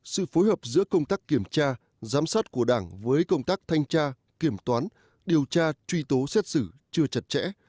sự phối hợp giữa công tác kiểm tra giám sát của đảng với công tác thanh tra kiểm toán điều tra truy tố xét xử chưa chặt chẽ